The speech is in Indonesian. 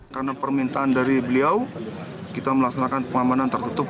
karena permintaan dari beliau kita melaksanakan pengamanan tertutup